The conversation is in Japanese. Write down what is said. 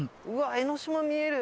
江の島見える！